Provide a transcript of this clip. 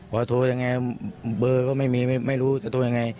พอโทรยังไงเบอร์ก็ไม่มีไม่รู้จะโทรยังไง